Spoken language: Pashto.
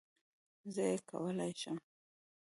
زه یې کولای شم